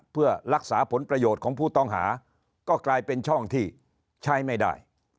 เพื่อรักษาผลประโยชน์ของผู้ต้องหาก็กลายเป็นช่องที่ใช้ไม่ได้